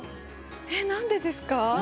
えっ何でですか？